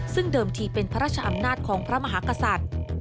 ซึ่งเดิมทีเป็นพระราชอำนาจของพระมหากษัตริย์